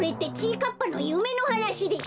かっぱのゆめのはなしでしょ！？